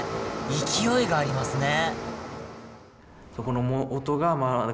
勢いがありますね。